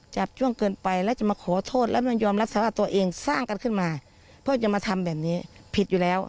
จับช่วงเกินไปแล้วจะมาขอโทษแล้วมันยอมรับสารภาพตัวเองสร้างกันขึ้นมาเพราะจะมาทำแบบนี้ผิดอยู่แล้ว